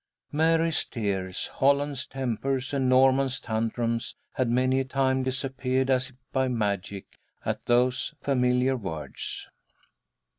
Mary's tears, Holland's tempers, and Norman's tantrums had many a time disappeared as if by magic, at those familiar words.